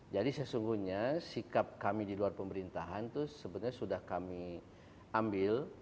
jadi sesungguhnya sikap kami di luar pemerintahan itu sebenarnya sudah kami ambil